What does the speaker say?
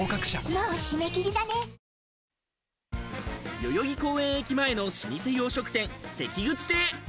代々木公園駅前の老舗洋食店・関口亭。